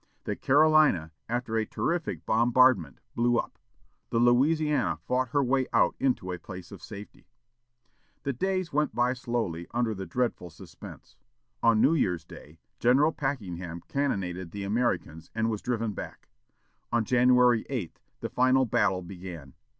The Carolina, after a terrific bombardment, blew up. The Louisiana fought her way out into a place of safety. The days went by slowly under the dreadful suspense. On New Year's day, General Packenham cannonaded the Americans and was driven back. On January 8, the final battle began.